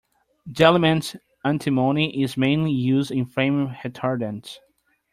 The element antimony is mainly used in flame retardants.